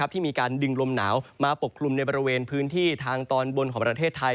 ที่มีการดึงลมหนาวมาปกคลุมในบริเวณพื้นที่ทางตอนบนของประเทศไทย